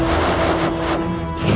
dan menangkap kake guru